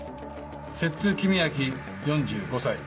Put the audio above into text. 摂津公明４５歳。